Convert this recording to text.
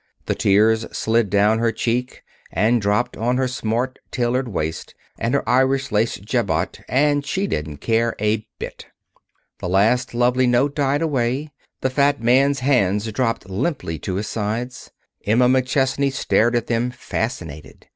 The tears slid down her cheeks, and dropped on her smart tailored waist and her Irish lace jabot, and she didn't care a bit. The last lovely note died away. The fat man's hands dropped limply to his sides. Emma McChesney stared at them, fascinated.